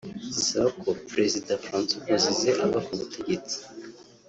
zisaba ko Perezida Francois Bozizé ava ku butegetsi